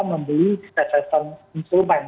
membeli sesesan instrumen